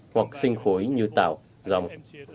hoặc sinh khối như tảo dòng